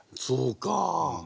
そうか。